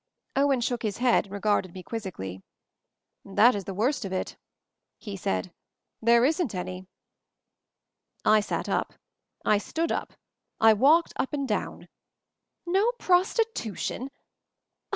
Owen shook his head and regarded me quizzically. "That is the worst of it," he said. "There isn't any." I sat up. I stood up. I walked up and down. "No prostitution!